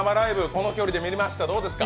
この距離で見れました、どうでしたか？